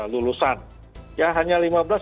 lulusan ya hanya